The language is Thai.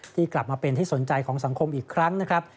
กลับมาเป็นที่สนใจของสังคมอีกครั้งนะครับ